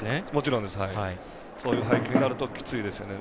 そういう配球になるときついですね。